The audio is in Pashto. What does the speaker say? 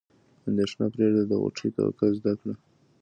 اندیښنه پرېږده د غوټۍ توکل زده کړه.